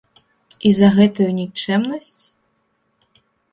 І за гэтую нікчэмнасць?